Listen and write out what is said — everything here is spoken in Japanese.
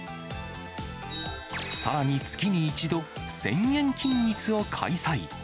さらに月に１度、１０００円均一を開催。